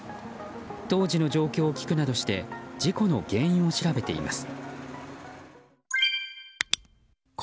当時の状況を聴くなどして事故の原因を調べています。